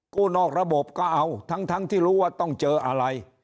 นอกระบบก็เอาทั้งที่รู้ว่าต้องเจออะไร